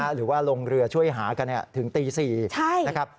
หรือว่าลงเรือช่วยหากันถึงตี๔นะครับ